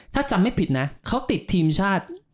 ถ้าจำไม่ผิดนะเขาติดทีมชาติ